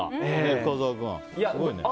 深澤君、すごいね。